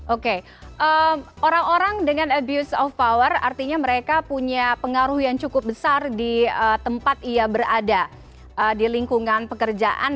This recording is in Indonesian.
oke orang orang dengan abuse of power artinya mereka punya pengaruh yang cukup besar di tempat ia berada di lingkungan pekerjaan